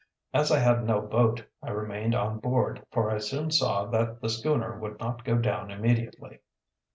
As I had no boat, I remained on board, for I soon saw that the schooner would not go down immediately.